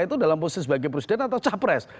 itu dalam posisi sebagai presiden atau capres